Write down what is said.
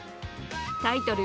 タイトル